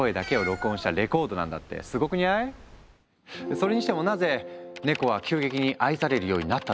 それにしてもなぜネコは急激に愛されるようになったのか？